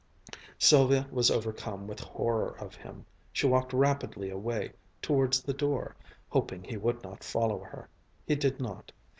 Sylvia was overcome with horror of him. She walked rapidly away, towards the door, hoping he would not follow her. He did not.